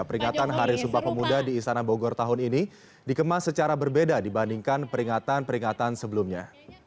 peringatan hari sumpah pemuda di istana bogor tahun ini dikemas secara berbeda dibandingkan peringatan peringatan sebelumnya